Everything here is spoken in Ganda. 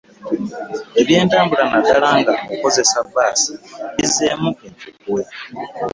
Eby'entambula naddala nga okozesa bbaasi bizzeemu enkyukwe.